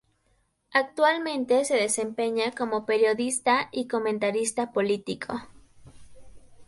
Actualmente se desempeña como periodista y comentarista político.